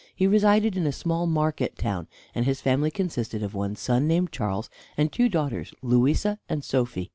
He resided in a small market town and his family consisted of one son, named Charles, and two daughters, Louisa and Sophy.